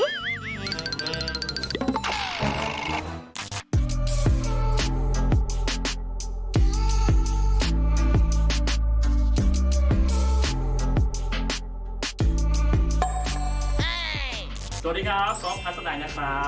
สวัสดีครับครอบพระสดังนะครับ